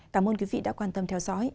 cảm ơn quý vị đã quan tâm theo dõi